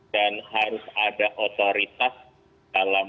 dan harus ada otoritas dalam